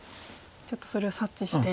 ちょっとそれを察知して。